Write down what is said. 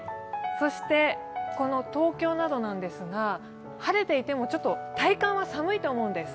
この東京など、晴れていても、ちょっと体感は寒いと思うんです。